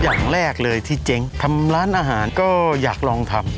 อย่างแรกเลยที่เจ๊งทำร้านอาหารก็อยากลองทำ